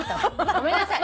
ごめんなさい。